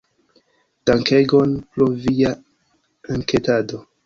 Dankegon pro via enketado.